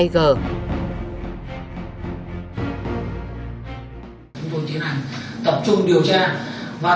với công việc chính là cho vay lãi